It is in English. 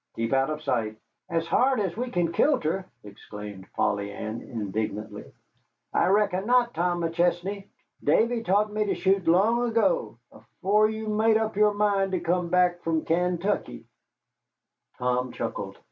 Keep out of sight." "As hard as we kin kilter!" exclaimed Polly Ann, indignantly. "I reckon not, Tom McChesney. Davy taught me to shoot long ago, afore you made up your mind to come back from Kaintuckee." Tom chuckled.